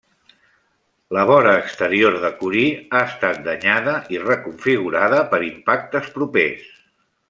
La vora exterior de Curie ha estat danyada i reconfigurada per impactes propers.